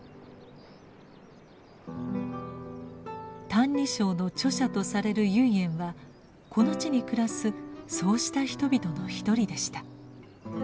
「歎異抄」の著者とされる唯円はこの地に暮らすそうした人々の一人でした。